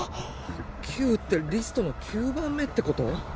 ９ってリストの９番目ってこと？